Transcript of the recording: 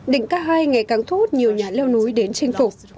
định k hai ngày càng thu hút nhiều nhà leo núi đến chinh phục